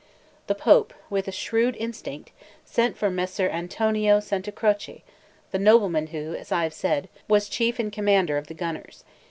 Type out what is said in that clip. The Pope, with a shrewd instinct, sent for Messer Antonio Santacroce, the nobleman who, as I have said, was chief and commander of the gunners.